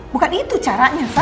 bukan itu caranya san